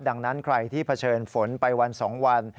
ดังนั้นใครที่เผชิญฝนไปวัน๒วัน